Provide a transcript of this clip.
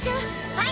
はい！